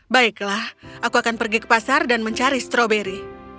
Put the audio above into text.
baiklah aku akan pergi ke pasar dan mencari stroberi